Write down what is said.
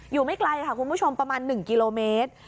ไม่ไกลค่ะคุณผู้ชมประมาณ๑กิโลเมตร